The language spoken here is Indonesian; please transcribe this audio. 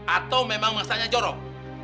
atau memang mangkuknya jorok